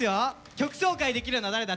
「曲紹介できるのは誰だ！？